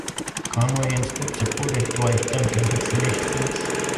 Conway instead supported Dwight Duncan, who finished fourth.